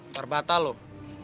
ntar batal loh